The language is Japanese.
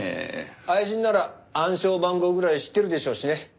愛人なら暗証番号ぐらい知ってるでしょうしね。